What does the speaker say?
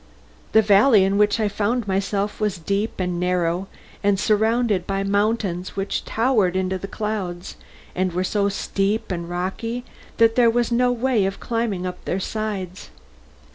The valley in which I found myself was deep and narrow, and surrounded by mountains which towered into the clouds, and were so steep and rocky that there was no way of climbing up their sides.